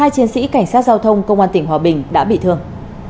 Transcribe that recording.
hai chiến sĩ cảnh sát giao thông công an tỉnh hòa bình đã bị thương